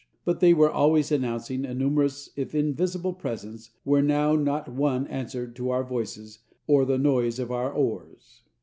But they were always announcing a numerous if invisible presence where now not one answered to our voices or the noise of our oars.